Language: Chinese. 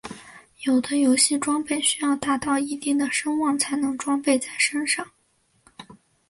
有的游戏装备需要达到一定的声望才能装备在身上。